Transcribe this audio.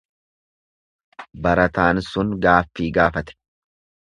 Barataan sun gaaffii gaafate.